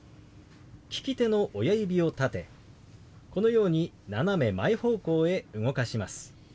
利き手の親指を立てこのように斜め前方向へ動かします。